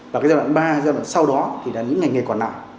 và giai đoạn ba giai đoạn sau đó thì là những ngành nghề còn lại